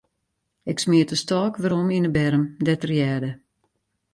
Ik smiet de stôk werom yn 'e berm, dêr't er hearde.